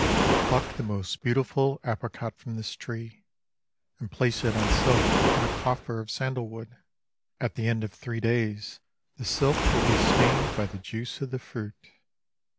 PLUCK the most beautiful apricot from this tree And place it on silk in a coffer of sandalwood ; At the end of three days the silk Will be stained by the juice of the fruit.